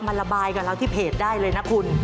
ระบายกับเราที่เพจได้เลยนะคุณ